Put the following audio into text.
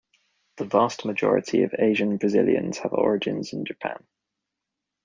The vast majority of Asian Brazilians have origins in Japan.